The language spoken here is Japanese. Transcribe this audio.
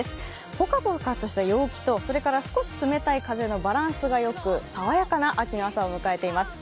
ポカポカとした陽気と、少し冷たい風のバランスがよく爽やかな秋の朝を迎えています。